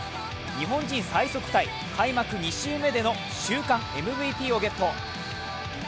日本人最速タイ、開幕２週目での週間ＭＶＰをゲット。